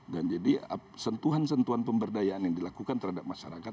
dan jadi sentuhan sentuhan pemberdayaan yang dilakukan terhadap masyarakat